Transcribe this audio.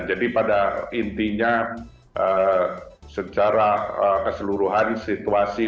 jadi pada intinya secara keseluruhan situasi